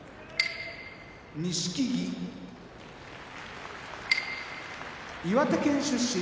錦木岩手県出身